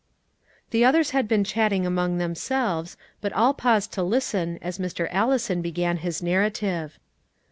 The others had been chatting among themselves, but all paused to listen as Mr. Allison began his narrative.